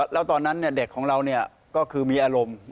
แล้วตอนนั้นเด็กของเราก็คือมีอารมณ์